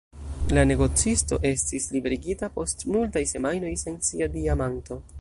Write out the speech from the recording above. La negocisto estis liberigita post multaj semajnoj, sen sia diamanto.